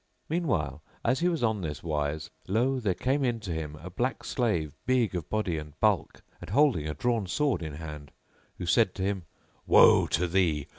Meanwhile as he was on this wise, lo! there came in to him a black slave big of body and bulk and holding a drawn sword in hand, who said to him, "Woe to thee!